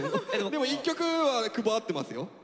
でも１曲は久保合ってますよ。